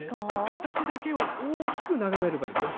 形だけを大きく眺めればいい。